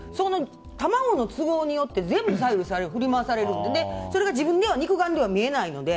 卵の都合によって全部左右され振り回されるのでそれが自分では肉眼では見えないので。